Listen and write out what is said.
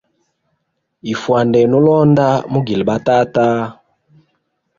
Ifwandene ulonda mugile batata.